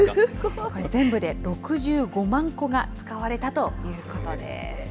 全部で６５万個が使われたということです。